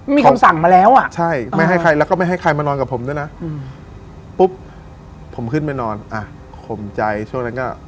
มีคำสั่งมาแล้วอ่ะใช่ไม่ให้ใครแล้วก็ไม่ให้ใครมานอนกับผมด้วยนะปุ๊บผมขึ้นไปนอนอ่ะข่มใจช่วงนั้นก็